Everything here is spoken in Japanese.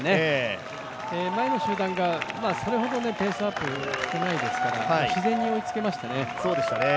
前の集団がそれほどペースアップしてないですから自然に追いつけましたね。